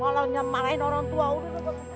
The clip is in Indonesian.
walau ngemalain orang tua umi